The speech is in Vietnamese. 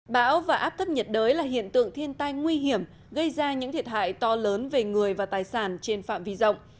bão và áp thấp nhiệt đới là hiện tượng thiên tai nguy hiểm gây ra những thiệt hại to lớn về người và tài sản trên phạm vi rộng